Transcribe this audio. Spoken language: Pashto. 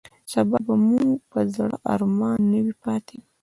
سبا به مو پر زړه ارمان نه وي پاتې.